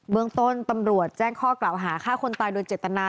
เมืองต้นตำรวจแจ้งข้อกล่าวหาฆ่าคนตายโดยเจตนา